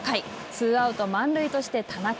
ツーアウト、満塁として田中。